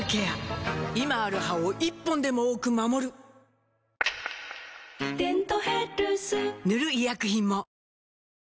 今ある歯を１本でも多く守る「デントヘルス」塗る医薬品も